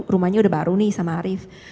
rumahnya udah baru nih sama arief